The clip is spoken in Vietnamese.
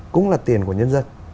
cũng là tiền của nhân dân